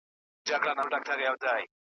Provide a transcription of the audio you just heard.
په ځنګله کي ګرځېدمه ستړی پلی .